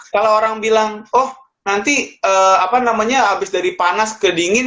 kalau orang bilang oh nanti apa namanya abis dari panas ke dingin